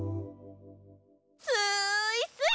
スイスイ！